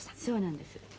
「そうなんです」